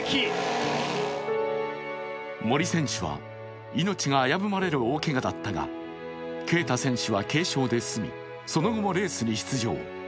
森選手は命が危ぶまれる大けがだったが恵匠選手は軽傷で済みその後もレースに出場。